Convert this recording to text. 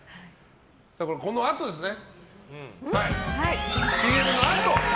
このあとですね。